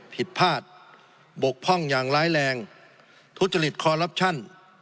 ผิดพลาดบกพร่องอย่างร้ายแรงทุจริตคอลลับชั่น